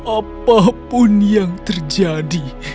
apapun yang terjadi